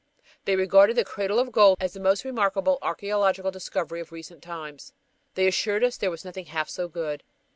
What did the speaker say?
They regarded that "cradle of gold" as "the most remarkable archeological discovery of recent times." They assured us there was nothing half so good.